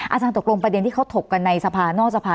อาจารย์ตกลงประเด็นที่เขาถกกันในสภานอกสภา